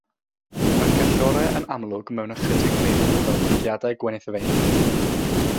Mae'r callorau yn amlwg mewn ychydig leoedd fel brigiadau gwenithfaen.